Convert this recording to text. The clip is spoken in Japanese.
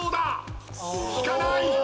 引かない！